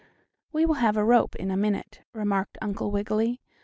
"We will have a rope in a minute," remarked Uncle Wiggily.